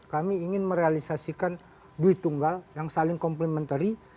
kami ingin merealisasikan duit tunggal yang saling complementary